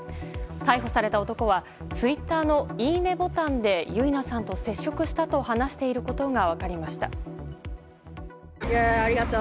逮捕された男はツイッターのいいねボタンで結菜さんと接触したと話していることが分かりました。